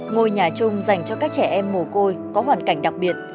ngôi nhà chung dành cho các trẻ em mồ côi có hoàn cảnh đặc biệt